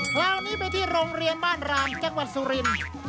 คราวนี้ไปที่โรงเรียนบ้านรามจังหวัดสุรินทร์